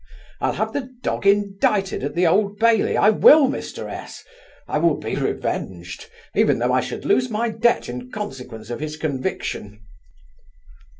I'll have the dog indicted at the Old Bailey I will, Mr S I will be reveng'd, even though I should lose my debt in consequence of his conviction.